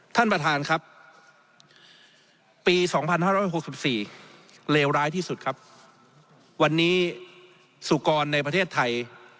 ท่านประธานครับปี๒๕๖๔เลวร้ายที่สุดครับวันนี้สุกรในประเทศไทย